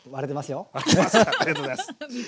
ありがとうございます！